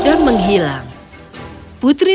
dan menghilang putri